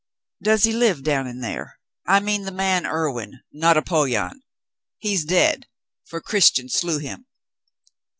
*'Does he live down in there .^ I mean the man Irwin — not Apollyon. He's dead, for Christian slew him."